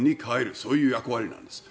そういう役割なんですね。